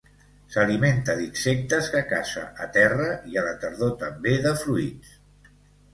S'alimenta d'insectes que caça a terra i a la tardor també de fruits.